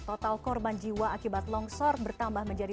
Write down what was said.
total korban jiwa akibat longsor bertambah lebih dari seratus